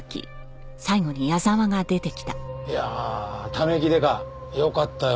いやあ『ため息刑事』よかったよ。